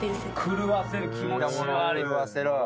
狂わせる気持ち悪い。